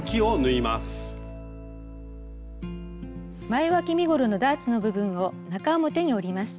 前わき身ごろのダーツの部分を中表に折ります。